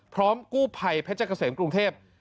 พร้อมกู้ภัยพระเจ้าเกษตรกรุงเทพ